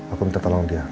aku minta tolong dia